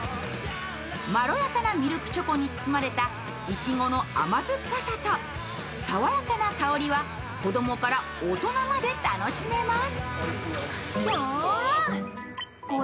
まろやかなミルクチョコに包まれたいちごの甘酸っぱさと爽やかな香りは子供から大人まで楽しめます。